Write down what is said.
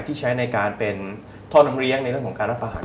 ที่ใช้ในการเป็นท่อน้ำเลี้ยงในเรื่องของการรัฐประหาร